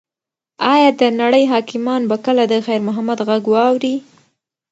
ایا د نړۍ حاکمان به کله د خیر محمد غږ واوري؟